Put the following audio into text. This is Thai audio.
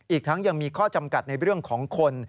อีกทั้งยังมีข้อจำกัดในเรื่องของคน